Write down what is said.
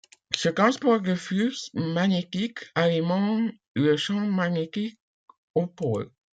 Ce transport de flux magnétique alimente le champ magnétique aux pôles.